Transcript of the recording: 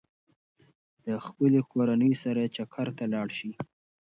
د خپلې کورنۍ سره چکر ته لاړ شئ.